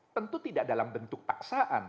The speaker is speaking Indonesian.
tentu tidak dalam bentuk paksaan